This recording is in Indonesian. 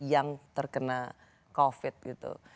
yang terkena covid gitu